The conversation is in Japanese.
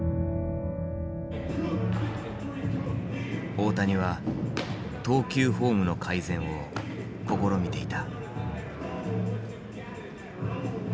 大谷は投球フォームの改善を試みていた。